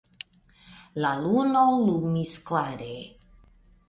La luno lumis klare.